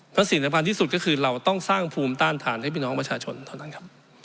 และสิ่งสำคัญที่สุดก็คือเราต้องสร้างภูมิต้านทานให้พี่น้องประชาชนเท่านั้นครับ